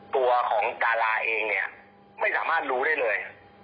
ตัวของดาราเองเนี่ยไม่สามารถรู้ได้เลย